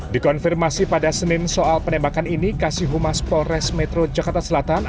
dikonfirmasi pada senin soal penembakan ini kasih humas polres metro jakarta selatan